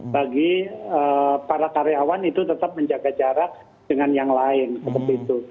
bagi para karyawan itu tetap menjaga jarak dengan yang lain seperti itu